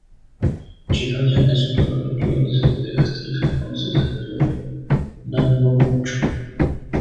Chihaya es un claro ejemplo del diseño de castillos japoneses del Periodo Nanboku-chō.